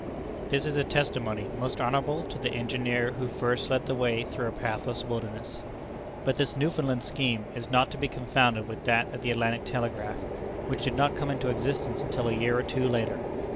This is a testimony most honorable to the engineer who first led the way through a pathless wilderness. But this Newfoundland scheme is not to be confounded with that of the Atlantic Telegraph, which did not come into existence until a year or two later.